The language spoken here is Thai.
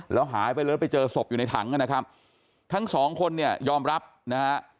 แล้วหายไปเลยไปเจอศพอยู่ในถังนะครับทั้งสองคนเนี่ยยอมรับนะฮะ